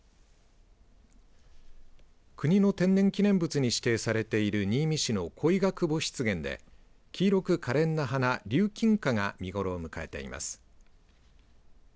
国の天然記念物に指定されている新見市の鯉が窪湿原で黄色くかれんな花リュウキンカが見頃を迎えています。